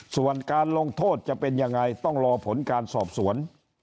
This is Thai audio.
ส่วนการลงโทษจะเป็นยังไงต้องรอผลการสอบสวน